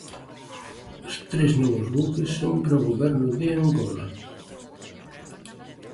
Os tres novos buques son para o Goberno de Angola.